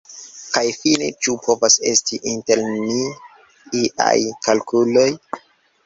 Kaj fine, ĉu povas esti inter ni iaj kalkuloj?